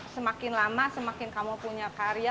semakin lama semakin kamu punya karya